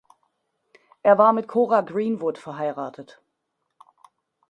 Er war mit Cora Greenwood verheiratet.